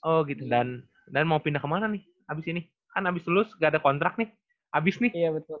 oh gitu dan mau pindah kemana nih abis ini kan abis lulus gak ada kontrak nih abis nih